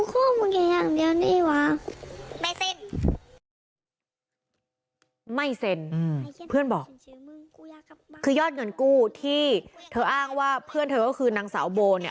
คือยอดเงินกู้ที่เธออ้างว่าเพื่อนเธอก็คือนางสาวโบเนี่ย